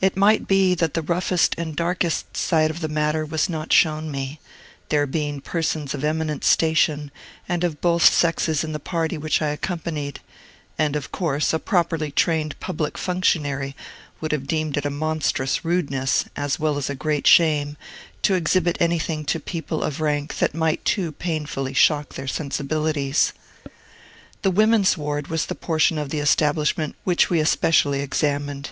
It might be that the roughest and darkest side of the matter was not shown me, there being persons of eminent station and of both sexes in the party which I accompanied; and, of course, a properly trained public functionary would have deemed it a monstrous rudeness, as well as a great shame, to exhibit anything to people of rank that might too painfully shock their sensibilities. The women's ward was the portion of the establishment which we especially examined.